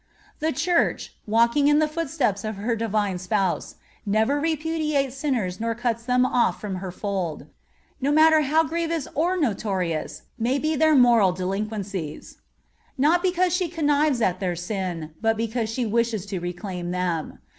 The Church, walking in the footsteps of her Divine Spouse, never repudiates sinners nor cuts them off from her fold, no matter how grievous or notorious may be their moral delinquencies; not because she connives at their sin, but because she wishes to reclaim them.